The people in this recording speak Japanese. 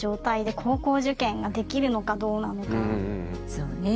そうね。